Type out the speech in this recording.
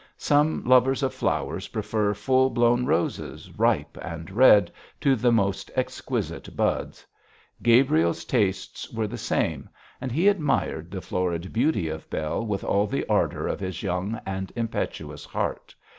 Some lovers of flowers prefer full blown roses, ripe and red, to the most exquisite buds. Gabriel's tastes were the same, and he admired the florid beauty of Bell with all the ardour of his young and impetuous heart.